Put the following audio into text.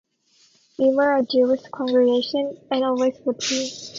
We were a Jewish congregation and always would be.